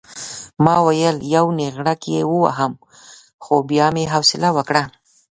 ما ویل یو نېغړک یې ووهم خو بیا مې حوصله وکړه.